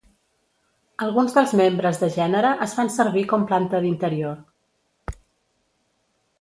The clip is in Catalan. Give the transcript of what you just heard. Alguns dels membres de gènere es fan servir com planta d'interior.